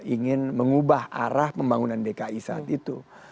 ingin mengubah arah pembangunan dki saat itu